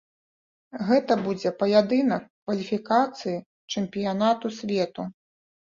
Гэта будзе паядынак кваліфікацыі чэмпіянату свету.